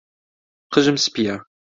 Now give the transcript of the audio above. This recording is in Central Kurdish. قژم سپییە.